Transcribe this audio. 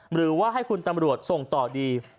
หรือว่าให้คุณตำรวจส่งต่อดี